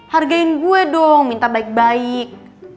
hargain gue dong minta baik baik